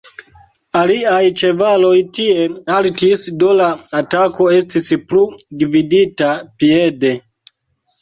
Iliaj ĉevaloj tie haltis, do la atako estis plu gvidita piede.